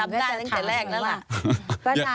แล้วอีกอย่างก็จะขาดสมมุติว่า